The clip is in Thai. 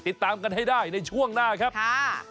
ติดตามกันให้ได้ในช่วงหน้าครับค่ะ